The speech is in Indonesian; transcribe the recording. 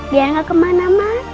biar gak kemana mana ya kan